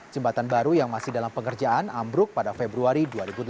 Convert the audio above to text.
jembatan baru yang masih dalam pengerjaan ambruk pada februari dua ribu delapan belas